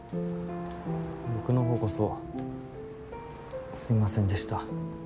僕の方こそすいませんでした。